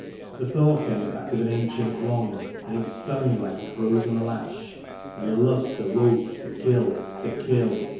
The thought came back of an ancient wrong, and it stung like a frozen lash, And the lust awoke to kill, to kill